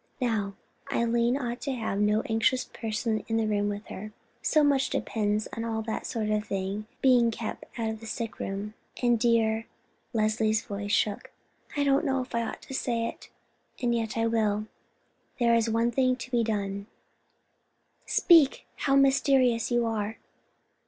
Now, Eileen ought to have no anxious person in her room. So much depends on all that sort of thing being kept out of the sickroom; and, dear,"—Leslie's voice shook,—"I don't know that I ought to say it, and yet I will—there is one thing to be done." "Speak. How mysterious you are!"